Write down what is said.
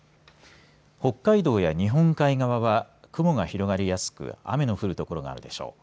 北海道や日本海側は雲が広がりやすく雨の降る所があるでしょう。